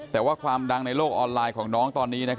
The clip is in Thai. แต่ว่าความดังในโลกออนไลน์ของน้องตอนนี้